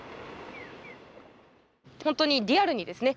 本当にリアルにですね